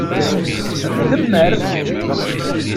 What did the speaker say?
Demmer!